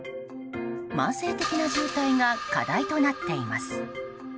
慢性的な渋滞が課題となっています。